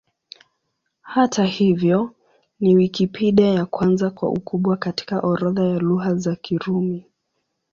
Hata hivyo, ni Wikipedia ya kwanza kwa ukubwa katika orodha ya Lugha za Kirumi.